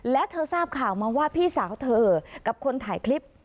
และเธอทราบข่าวมาว่าพี่สาวเธอกับคนถ่ายคลิป